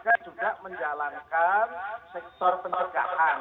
tetapi kpk juga menjalankan sektor pencegahan